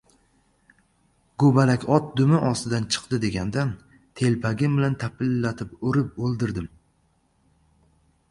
Go‘balak ot dumi ostidan chiqdi degandan, telpagim bilan tapillatib urib o‘ldirdim.